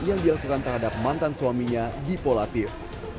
yang dilakukan terhadap mantan suaminya gipo latif